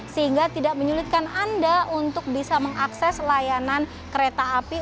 sehingga tidak menyulitkan anda untuk bisa mengakses layanan kereta api